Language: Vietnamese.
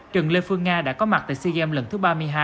trần lê phương nga đã có mặt tại sea games lần thứ ba mươi hai